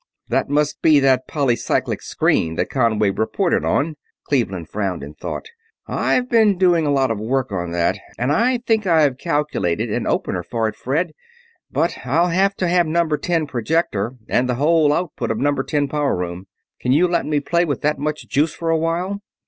"That must be that polycyclic screen that Conway reported on." Cleveland frowned in thought. "I've been doing a lot of work on that, and I think I've calculated an opener for it, Fred, but I'll have to have number ten projector and the whole output of number ten power room. Can you let me play with that much juice for a while?